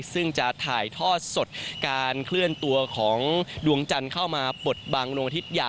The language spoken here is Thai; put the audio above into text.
ซึ่งจะถ่ายทอดสดการเคลื่อนตัวของดวงจันทร์เข้ามาปลดบังดวงอาทิตย